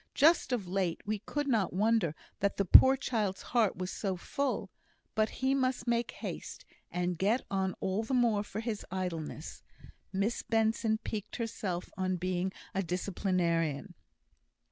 Just of late we could not wonder that the poor child's heart was so full; but he must make haste, and get on all the more for his idleness." Miss Benson piqued herself on being a disciplinarian.